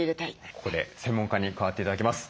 ここで専門家に加わって頂きます。